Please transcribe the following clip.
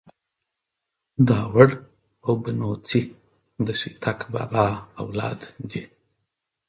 داوړ او بنوڅي ده شيتک بابا اولاد دې.